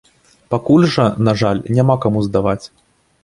Пакуль жа, на жаль, няма каму здаваць.